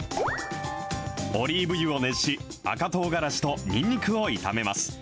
オリーブ油を熱し、赤とうがらしとにんにくを炒めます。